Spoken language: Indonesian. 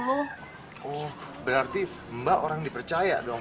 oh berarti mbak orang dipercaya dong